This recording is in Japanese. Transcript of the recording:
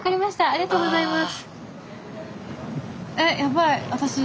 ありがとうございます。